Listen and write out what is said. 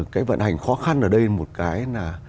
cái vận hành khó khăn ở đây một cái là